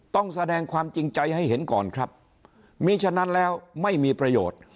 ต้องแสดงความจริงใจให้เห็นก่อนครับมีฉะนั้นแล้วไม่มีประโยชน์